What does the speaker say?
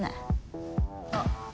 あっ！